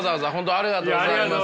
ありがとうございます。